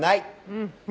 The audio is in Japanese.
うん。